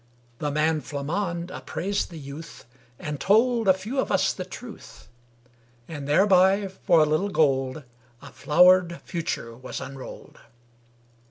The man Flammonde appraised the youth, And told a few of us the truth; And thereby, for a little gold, A flowered future was unrolled.